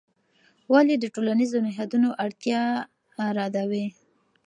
ولې د ټولنیزو نهادونو اړتیا مه ردوې؟